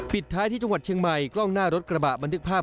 ท้ายที่จังหวัดเชียงใหม่กล้องหน้ารถกระบะบันทึกภาพ